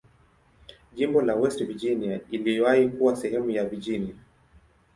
Jimbo la West Virginia iliwahi kuwa sehemu ya Virginia.